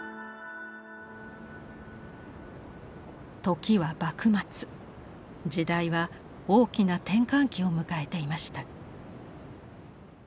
時は幕末時代は大きな転換期を迎えていました。